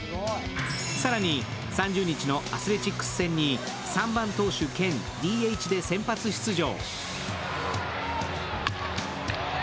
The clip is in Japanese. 更に、３０日のアスレチックス戦に３番・投手兼ＤＨで先発出場。